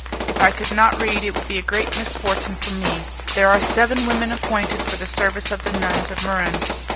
if I could not read, it would be a great misfortune for me. There are seven women appointed for the service of the nuns of Muran.